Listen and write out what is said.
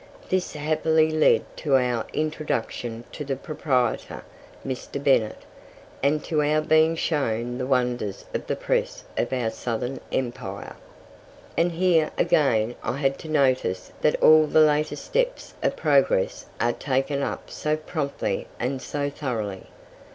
This happily led to our introduction to the proprietor, Mr. Bennett, and to our being shown the wonders of the Press of our Southern Empire. And, here, again, I had to notice that all the latest steps of progress are taken up so promptly and so thoroughly.